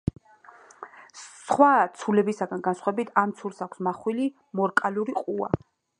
სხვა ცულებისაგან განსხვავებით, ამ ცულს აქვს მახვილი, მორკალური ყუა.